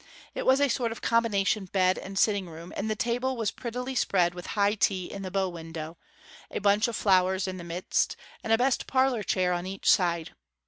It was a sort of combination bed and sitting room, and the table was prettily spread with high tea in the bow window, a bunch of flowers in the midst, and a best parlour chair on each side.